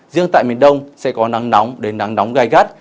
riêng tại miền đông sẽ có nắng nóng đến nắng nóng gai gắt